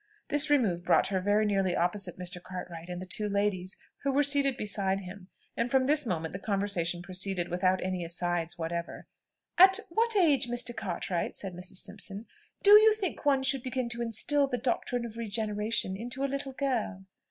This remove brought her very nearly opposite Mr. Cartwright and the two ladies who were seated beside him, and from this moment the conversation proceeded without any "asides" whatever. "At what age, Mr. Cartwright," said Mrs. Simpson, "do you think one should begin to instil the doctrine of regeneration into a little girl?"